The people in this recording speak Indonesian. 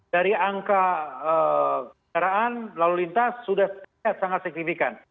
dari angka kendaraan lalu lintas sudah sangat signifikan